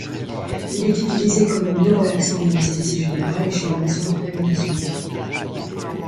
Il est utilisé comme myorelaxant en anesthésie générale et chez les patients de réanimation.